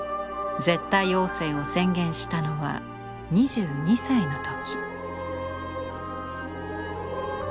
絶対王政を宣言したのは２２歳の時。